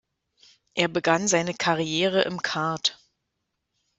Er begann seine Karriere im Kart.